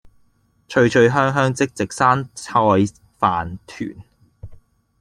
脆脆香香即席山菜飯糰